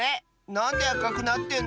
なんであかくなってんの？